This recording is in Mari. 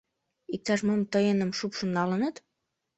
Иктаж-мом тыйыным шупшын налыныт?